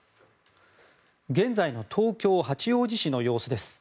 現在の東京・八王子市の様子です。